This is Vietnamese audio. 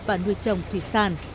và nuôi chồng thì sàn